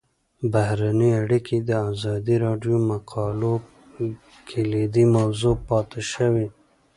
بهرنۍ اړیکې د ازادي راډیو د مقالو کلیدي موضوع پاتې شوی.